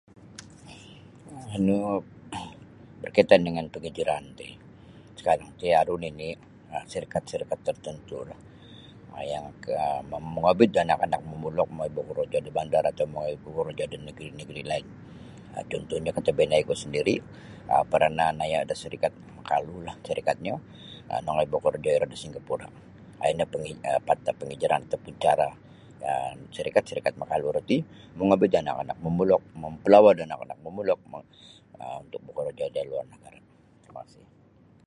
Nu berkaitan dengan penghijrahan ti sakarang ti aru nini' um sarikat-sarikat tertentu'lah yang ka mongobit da anak-anak momulok mongoi bokorojo da bandar atau mongoi bokorojo da negri-negri lain um cuntuhnyo katabinaiku sandiri' um paranah naya' da sarikat makalulah sarikotnyo nongoi bokorojo iro da Singapura' um ino pata' penghirahan sarikat-sarikat makalu roti mogobit da anak-anak momulok mempelawa da anak-anak momulok um untuk bokorojo da luar um terima kasih.